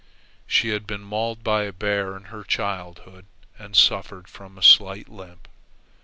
She had been mauled by a bear in her childhood and suffered from a slight limp.